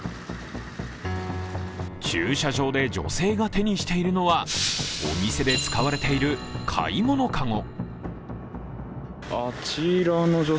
駐車場で女性が手にしているのはお店で使われている買い物かご。